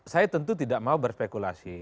saya tentu tidak mau berspekulasi